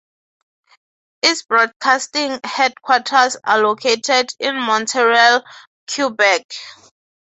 Its broadcasting headquarters are located in Montreal, Quebec.